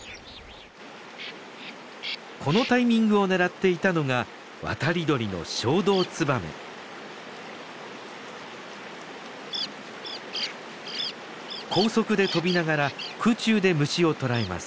このタイミングを狙っていたのが渡り鳥の高速で飛びながら空中で虫を捕らえます。